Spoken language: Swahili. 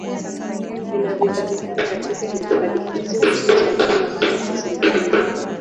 Vinavyopatikana katika hifadhi hizo na kuchangia mapato kwa serikali zao